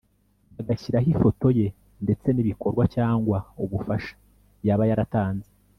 bagashyiraho ifoto ye ndetse n’ibikorwa cyangwa ubufasha yaba yaratanze